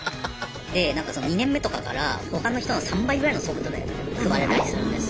で２年目とかから他の人の３倍ぐらいの速度で配れたりするんです。